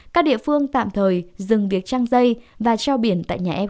các địa phương tạm thời dừng việc trăng dây và trao biển tại nhà f